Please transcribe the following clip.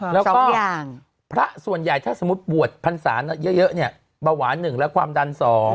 แล้วก็พระส่วนใหญ่ถ้าสมมุติบวชพรรษาเยอะเนี่ยเบาหวาน๑และความดัน๒